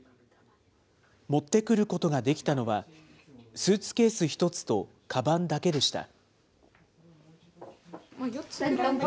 持ってくることができたのは、スーツケース１つと、かばんだけでした。